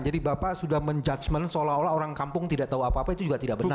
jadi bapak sudah menjudgemen seolah olah orang kampung tidak tahu apa apa itu juga tidak benar pak